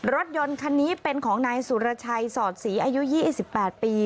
รถยนต์คันนี้เป็นของนายสุรชัยสอดศรีอายุ๒๘ปี